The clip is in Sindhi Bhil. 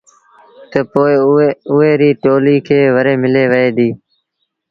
تا پو اُئي ريٚ ٽوليٚ کي وآريٚ ملي وهي ديٚ۔